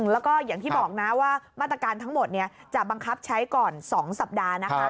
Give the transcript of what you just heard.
แล้วก็อย่างที่บอกนะว่ามาตรการทั้งหมดจะบังคับใช้ก่อน๒สัปดาห์นะคะ